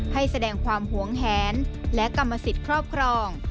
ให้แสดงความหวงแหนและกรรมสิทธิ์ครอบครอง